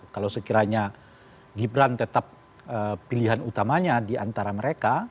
kalau sekiranya gibran tetap pilihan utamanya di antara mereka